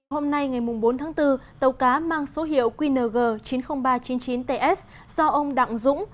hôm nay ngày bốn tháng bốn tàu cá mang số hiệu qng chín mươi nghìn ba trăm chín mươi chín ts do ông đặng dũng